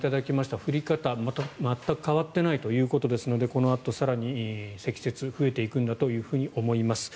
降り方は全く変わっていないということですのでこのあと、積雪が増えていくんだと思います。